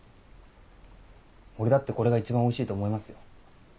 俺だってこれが一番おいしいと思いますよ。